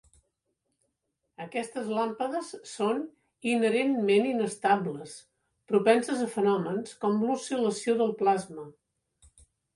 Aquestes làmpades són inherentment inestables, propenses a fenòmens com l'oscil·lació del plasma.